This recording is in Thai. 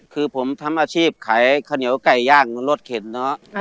คือผมทำอาชีพขายข้าวเหนียวไก่ย่างรถเข็นเนอะ